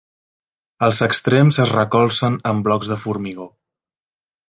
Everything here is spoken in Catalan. Els extrems es recolzen en blocs de formigó.